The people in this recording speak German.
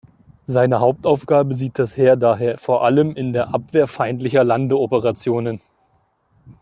Seine Hauptaufgabe sieht das Heer daher vor allem in der Abwehr feindlicher Landeoperationen.